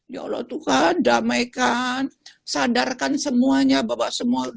ya allah tuhan damaikan sadarkan semuanya bapak semua